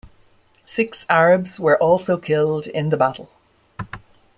Six Arabs were also killed in the battle.